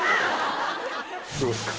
どうですか？